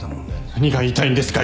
何が言いたいんですか？